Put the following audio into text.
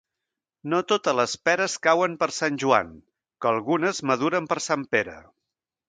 No totes les peres cauen per Sant Joan, que algunes maduren per Sant Pere.